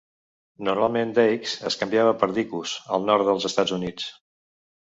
Normalment "Deicws" es canviava per "Dicus" al nord dels Estats Units.